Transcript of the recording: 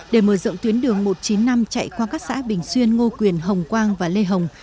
để mở rộng tuyến đường một trăm chín mươi năm chạy qua các xã bình xuyên ngô quyền hồng quang và lê hồng